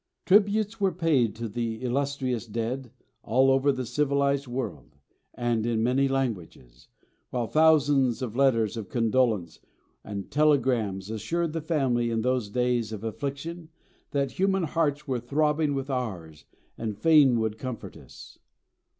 Tributes were paid to the illustrious dead all over the civilised world, and in many languages; while thousands of letters of condolence and telegrams assured the family in those days of affliction that human hearts were throbbing with ours and fain would comfort us.